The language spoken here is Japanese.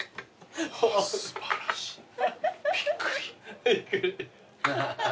素晴らしいびっくり。